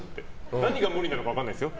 何が無理なのか分からないですよ。